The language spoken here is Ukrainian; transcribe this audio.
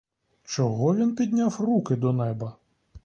Чого він підняв руки до неба?